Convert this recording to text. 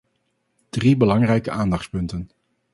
Drie belangrijke aandachtspunten.